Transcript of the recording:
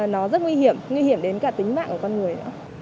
nó rất nguy hiểm nguy hiểm đến cả tính mạng của con người nữa